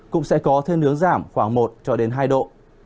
cũng sẽ có thêm hướng giảm khoảng một năm độ